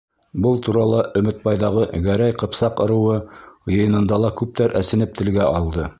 Был турала Өмөтбайҙағы Гәрәй-Ҡыпсаҡ ырыуы йыйынында ла күптәр әсенеп телгә алды.